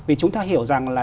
vì chúng ta hiểu rằng là